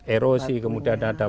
erosi kemudian ada